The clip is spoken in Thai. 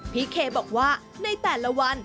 พี่เคบอกว่าใน๘ละวัน